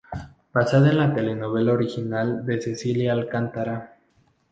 Basada en la telenovela original de Celia Alcantara.